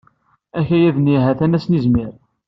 Akayad-nni hatan ad-s nizmir.